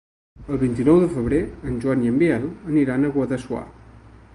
El vint-i-nou de febrer en Joan i en Biel aniran a Guadassuar.